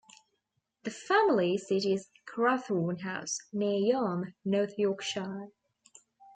The family seat is Crathorne House, near Yarm, North Yorkshire.